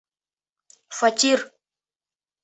Фатир.